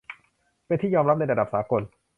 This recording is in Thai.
เป็นที่ยอมรับในระดับสากล